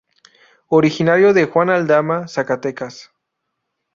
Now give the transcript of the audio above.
Originario de Juan Aldama, Zacatecas.